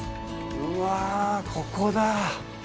うわぁ、ここだぁ！